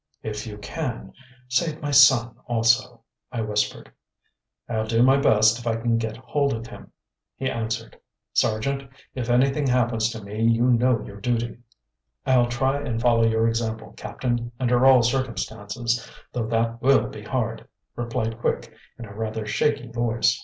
"If you can, save my son also," I whispered. "I'll do my best if I can get hold of him," he answered. "Sergeant, if anything happens to me you know your duty." "I'll try and follow your example, Captain, under all circumstances, though that will be hard," replied Quick in a rather shaky voice.